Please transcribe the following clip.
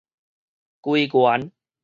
歸原